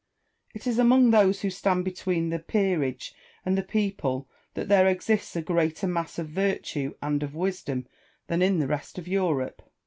Alfieri. It is among those who stand between the peerage and the people that there exists a greater mass of virtue and of wisdom than in the rest of Europe.